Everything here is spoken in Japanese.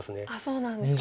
そうなんですか。